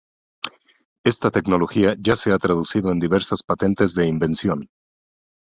Esta tecnología ya se ha traducido en diversas patentes de invención.